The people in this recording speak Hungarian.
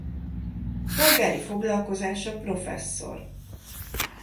Polgári foglalkozása professzor.